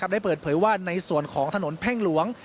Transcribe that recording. ได้เปิดเผยว่าในส่วนของถนนเพ่งหลวง